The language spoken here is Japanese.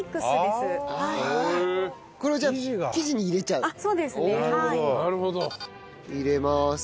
入れます。